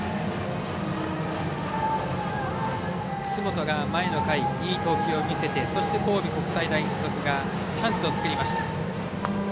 楠本が前の回いい投球を見せてそして神戸国際大付属がチャンスを作りました。